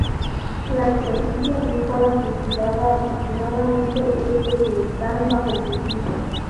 La superficie agrícola cultivada aproximadamente es de que están bajo cultivo.